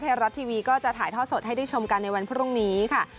ไทยรัฐทีวีก็จะถ่ายทอดสดให้ได้ชมกันในวันพรุ่งนี้ค่ะ